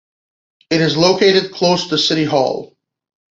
It is located close to City Hall.